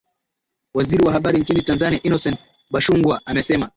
Waziri wa habari nchini Tanzania Innocent Bashungwa amesema